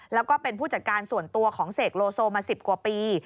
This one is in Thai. แล้วก็เป็นผู้จัดการส่วนตัวของเสกโลโซมา๑๐กว่าปี